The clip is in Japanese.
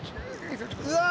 うわ！